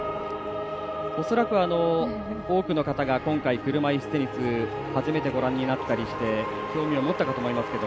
恐らく、多くの方が今回、車いすテニス初めてご覧になったりして興味を持ったかと思いますけど